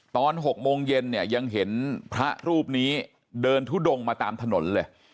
ตอน๖โมงเย็นเนี่ยยังเห็นพระรูปนี้เดินทุดงมาตามถนนเลย